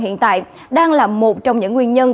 hiện tại đang là một trong những nguyên nhân